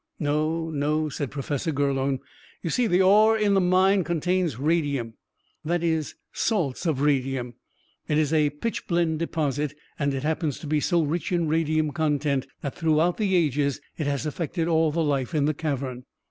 "No, no," said Professor Gurlone. "You see, the ore in the mine contains radium, that is, salts of radium. It is a pitchblende deposit, and it happens to be so rich in radium content that throughout the ages it has affected all the life in the cavern.